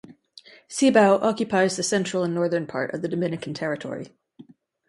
Cibao occupies the central and northern part of the Dominican territory.